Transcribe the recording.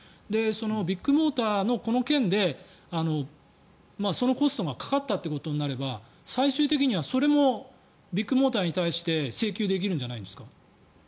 ビッグモーターのこの件でそのコストがかかったということになれば最終的にはそれもビッグモーターに対して請求できるんじゃないですか。